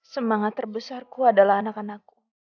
semangat terbesarku adalah anak anakku